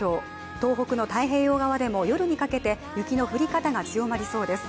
東北の太平洋側でも夜にかけて雪の降り方が強まりそうです。